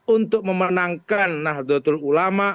untuk memenangkan nahdlatul ulama